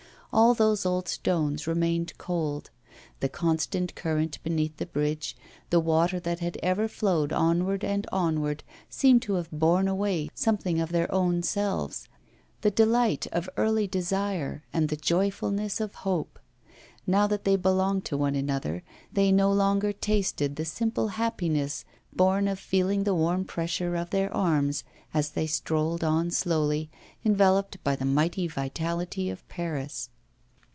All those old stones remained cold. The constant current beneath the bridges, the water that had ever flowed onward and onward, seemed to have borne away something of their own selves, the delight of early desire and the joyfulness of hope. Now that they belonged to one another, they no longer tasted the simple happiness born of feeling the warm pressure of their arms as they strolled on slowly, enveloped by the mighty vitality of Paris.